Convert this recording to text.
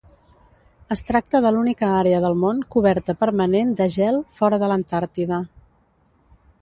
Es tracta de l'única àrea del món coberta permanent de gel fora de l'Antàrtida.